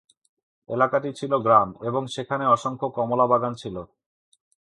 এলাকাটি ছিল গ্রাম এবং সেখানে অসংখ্য কমলা বাগান ছিল।